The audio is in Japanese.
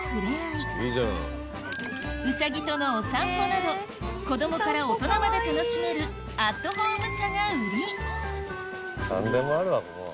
うさぎとのお散歩など子どもから大人まで楽しめるアットホームさが売り何でもあるわここ。